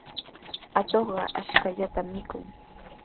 Atuqqa ashkallata mikun.